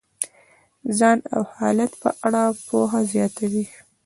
د ځان او حالت په اړه پوهه زیاتولی شي.